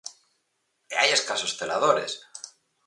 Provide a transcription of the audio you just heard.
E hai escasos celadores.